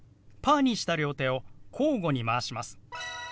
パーにした両手を交互にまわします。